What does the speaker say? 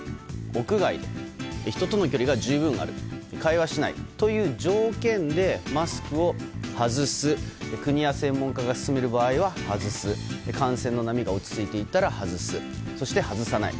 屋外で、人との距離が十分ある会話しないという条件でマスクを外す国や専門家が勧める場合は外す感染の波が落ち着いていたら外すそして、外さない。